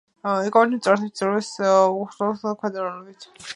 იკვებებიან მწერებით; წვრილი უხერხემლოებით, ქვეწარმავლებით.